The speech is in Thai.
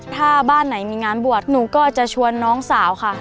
ถ้าบ้านไหนมีงานบวชหนูก็จะชวนน้องสาวค่ะ